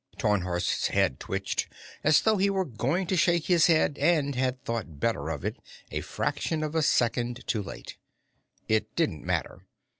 Tarnhorst's head twitched, as though he were going to shake his head and had thought better of it a fraction of a second too late. It didn't matter.